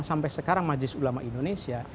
sampai sekarang majlis ulama indonesia